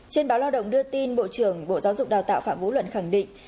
trên báo lao động đưa tin bộ trưởng bộ giáo dục đào tạo phạm vũ luận khẳng định